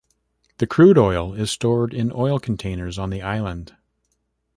The crude oil is stored in oil containers on the island.